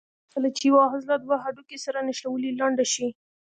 کله چې یوه عضله دوه هډوکي سره نښلوي لنډه شي.